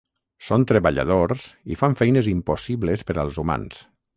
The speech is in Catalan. Són treballadors i fan feines impossibles per als humans.